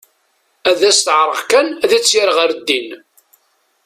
Ad as-teɛreq kan ad tt-yerr ɣer ddin.